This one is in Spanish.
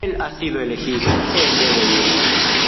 Él ha sido elegido. Él debe ir .